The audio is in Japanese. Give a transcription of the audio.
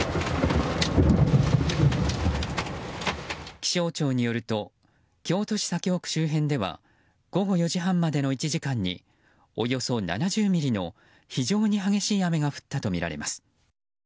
気象庁によると京都市左京区周辺では午後４時半までの１時間におよそ７０ミリの非常に激しい雨が降ったとみられます。